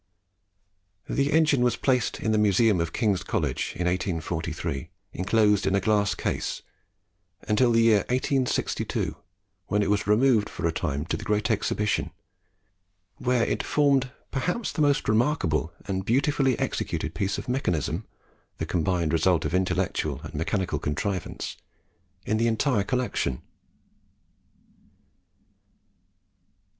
The engine was placed in the museum of King's College in 1843, enclosed in a glass case, until the year 1862, when it was removed for a time to the Great Exhibition, where it formed perhaps the most remarkable and beautifully executed piece of mechanism the combined result of intellectual and mechanical contrivance in the entire collection.